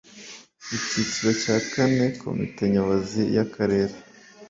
icyiciro cya kane komite nyobozi yakarere